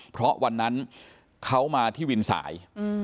เพราะวันนั้นเขามาที่วินสาย